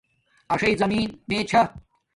اݽݵ زمین میے چھا